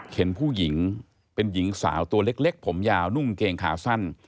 เห็นผู้หญิงเป็นหญิงสาวตัวเล็กผมยาวนุ่งเกงขาสั้น